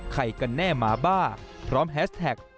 กันแน่หมาบ้าพร้อมแฮสแท็ก